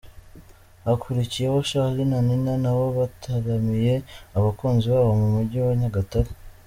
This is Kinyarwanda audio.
Hakurikiyeho Charly na Nina nabo bataramiye abakunzi babo mu mujyi wa Nyagatare.